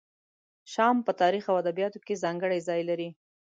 شام په تاریخ او ادبیاتو کې ځانګړی ځای لري.